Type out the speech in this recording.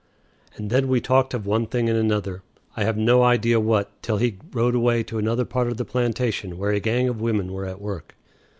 And then we talked of one thing and another, I have no idea what, till he rode away to another part of the plantation where a gang of women were at work.